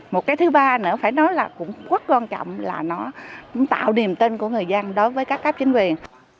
một cái thứ ba nữa phải nói là cũng rất quan trọng là nó cũng tạo niềm tin của người dân đối với các cấp chính quyền